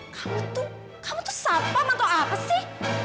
kamu tuh kamu tuh sapam atau apa sih